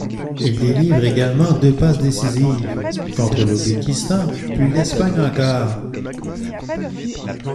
Il délivre également deux passes décisives, contre l'Ouzbékistan puis l'Espagne en quart.